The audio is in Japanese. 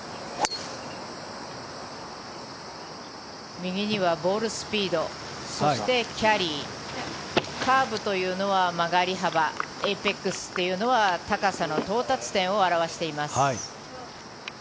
右にはボールスピードそして、キャリーカーブというのは曲がり幅エイペックスというのは高さの到達点を表しています。